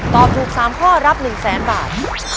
ตอบถูก๓ข้อรับ๑แสนบาท